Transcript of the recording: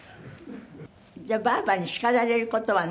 じゃあばあばに叱られる事はない？